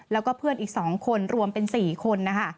แล้วก็เพื่อนอีก๒คนรวมเป็น๔คนนะคะ